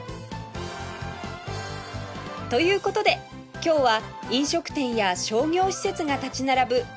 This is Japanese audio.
という事で今日は飲食店や商業施設が立ち並ぶ